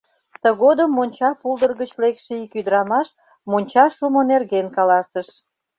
Тыгодым монча пулдыр гыч лекше ик ӱдырамаш монча шумо нерген каласыш.